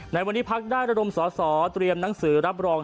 ในวันนี้พักได้ระดมสอสอเตรียมหนังสือรับรอง